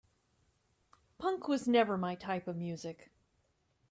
Punk was never my type of music.